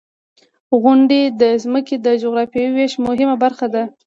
• غونډۍ د ځمکې د جغرافیوي ویش مهمه برخه ده.